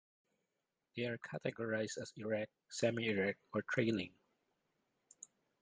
They are categorised as erect, semi-erect, or trailing.